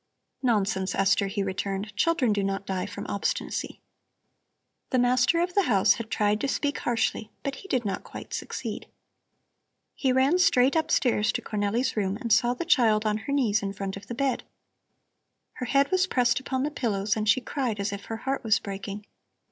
"Nonsense, Esther," he returned; "children do not die from obstinacy." The master of the house had tried to speak harshly, but he did not quite succeed. He ran straight upstairs to Cornelli's room and saw the child on her knees in front of the bed. Her head was pressed into the pillows and she cried as if her heart was breaking.